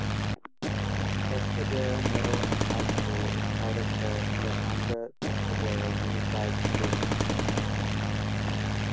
Pescadero Middle and High School is part of the La Honda–Pescadero Unified School District.